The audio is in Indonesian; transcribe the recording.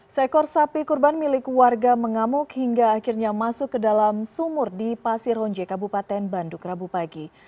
seekor sapi kurban milik warga mengamuk hingga akhirnya masuk ke dalam sumur di pasir honje kabupaten bandung rabu pagi